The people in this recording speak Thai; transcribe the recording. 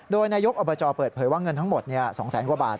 โดยนายกอบจเปิดเผยว่าเงินทั้งหมด๒แสนกว่าบาท